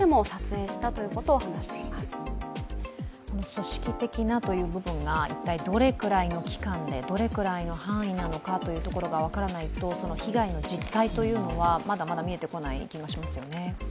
組織的なという部分が一体どれくらいの期間で、どれくらいの範囲なのかというところが分からないと被害の実態というのはまだまだ見えてこない気もしますよね。